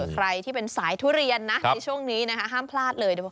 ใครที่เป็นสายทุเรียนนะในช่วงนี้นะคะห้ามพลาดเลย